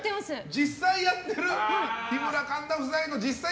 実際やってる日村、神田夫妻の技。